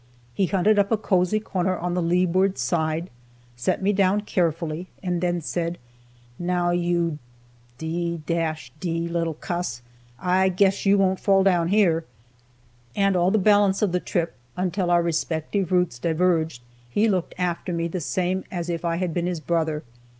He hunted up a cozy corner on the leeward side, set me down carefully, and then said, "Now, you d d little cuss, I guess you won't fall down here." And all the balance of the trip, until our respective routes diverged, he looked after me the same as if I had been his brother.